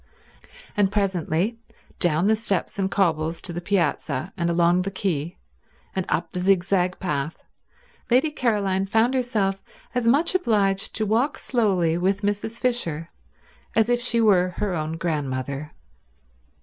And presently, down the steps and cobbles to the piazza, and along the quay, and up the zigzag path, Lady Caroline found herself as much obliged to walk slowly with Mrs. Fisher as if she were her own grandmother.